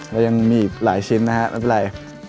เรายังมีหลายชิ้นนะฮะไม่เป็นไร